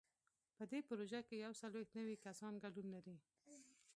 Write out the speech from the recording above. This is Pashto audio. په دې پروژه کې یو څلوېښت نوي کسان ګډون لري.